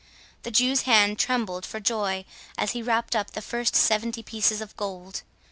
The Jew's hand trembled for joy as he wrapped up the first seventy pieces of gold.